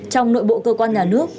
trong nội bộ cơ quan nhà nước